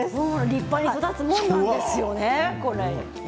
立派に育つものなんですよね。